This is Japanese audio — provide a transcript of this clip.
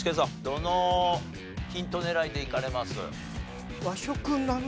どのヒント狙いでいかれます？